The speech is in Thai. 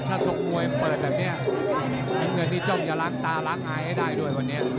ถ้าทรงมวยเปิดแบบนี้น้ำเงินนี่จ้องจะล้างตาล้างอายให้ได้ด้วยวันนี้